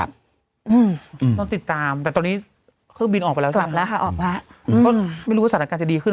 ต้องติดตามแต่ตอนนี้เครื่องบินออกไปแล้วไม่รู้ว่าสถานการณ์จะดีขึ้น